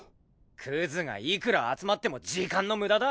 クズがいくら集まっても時間の無駄だ！